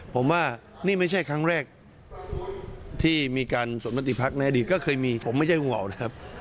ผมว่านี่ไม่ใช่ครั้งแรกที่มีการสวมมติพักในอดีตก็เคยมีผมไม่ใช่งูเห่านะครับ